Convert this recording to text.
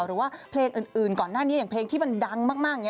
หรือว่าเพลงอื่นก่อนหน้านี้อย่างเพลงที่มันดังมากอย่างนี้